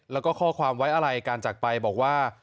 แล้วก็ข้อความไว้อะไรการจักรไปบอกว่า